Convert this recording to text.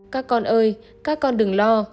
các con ơi các con đừng lo